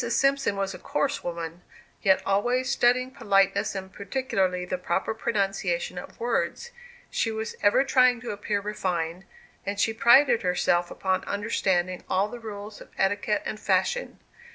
Simpson was a coarse woman, yet always studying politeness, and particularly the proper pronunciation of words. She was ever trying to appear refined; and she prided herself upon understanding all the rules of etiquette and fashion.